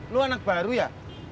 lo anak baru ya